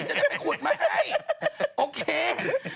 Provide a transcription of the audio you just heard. จะได้ไปขุดไหมโอเค